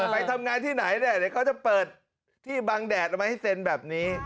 ไปทำงานที่ไหนเนี่ยเดี๋ยวเขาจะเปิดที่บังแดดเอาไว้ให้เซ็นแบบนี้